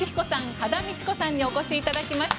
羽田美智子さんにお越しいただきました。